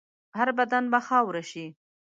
هر بدن به خاوره شي.